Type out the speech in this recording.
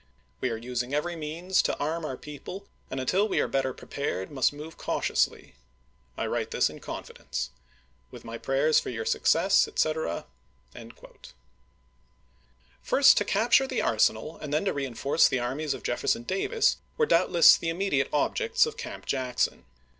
We are using every means to arm our people, and until we are better prepared must move cautiously. I write this in confidence. With my prayers for your success, etc. First to capture the arsenal and then to reenforce the armies of Jefferson Davis were doubtless the immediate objects of Camp Jackson.